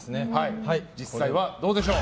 実際はどうでしょう。